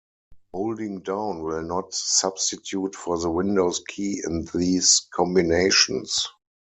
Holding down will not substitute for the Windows key in these combinations.